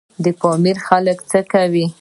د پامیر خلک څه کوي؟